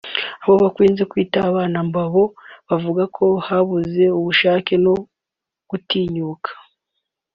abo bakunze kwita “Abanamba” bo bavuga ko habuze ubushake no gutinyuka